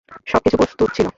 সবকিছু প্রস্তুত ছিল।